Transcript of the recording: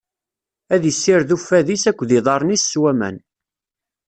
Ad issired uffad-is akked iḍarren-is s waman.